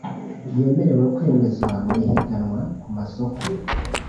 Yemerewe kwemezwa mu ihiganwa ku masoko